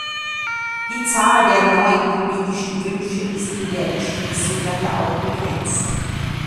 Die Zahl der neuen politischen Wünsche ist in der Entschließung daher auch begrenzt.